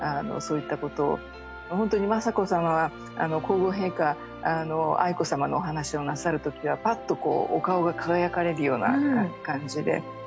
そういったことを本当に雅子さまは皇后陛下愛子さまのお話をなさるときはパッとお顔が輝かれるような感じで。